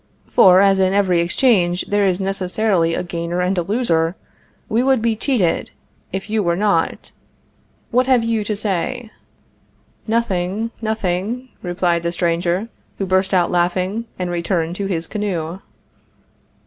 For, as in every exchange there is necessarily a gainer and a loser, we would be cheated, if you were not. What have you to say?". "Nothing, nothing," replied the stranger, who burst out laughing, and returned to his canoe.